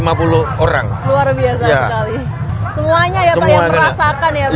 semuanya ya pak yang merasakan ya pak ya